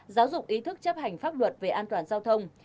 giáo dục ý thức chấp hành pháp luật về an toàn giao thông